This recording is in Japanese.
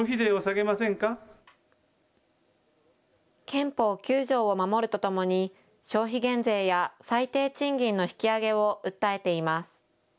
憲法９条を守るとともに消費減税や最低賃金の引き上げを訴えています。